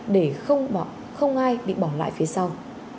để không ai bị bỏ lại phía sau